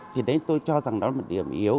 thì đấy tôi cho rằng đó là một điểm yếu